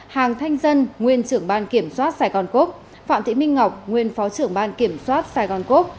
hàng thanh dân nguyên trưởng ban kiểm soát sài gòn cốc phạm thị minh ngọc nguyên phó trưởng ban kiểm soát sài gòn cốc